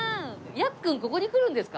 ヤッくんここに来るんですか？